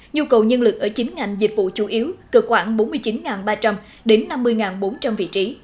nhu cầu nhân lực ở chín ngành dịch vụ chủ yếu cần khoảng bốn mươi chín ba trăm linh đến năm mươi bốn trăm linh vị trí